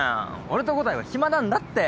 俺と伍代は暇なんだって。